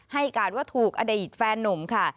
ให้การว่าถูกอดีตแฟนนุ่มค่ะ